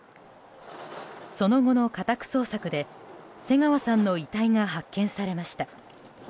その後の家宅捜索で瀬川さんの遺体が発見されました。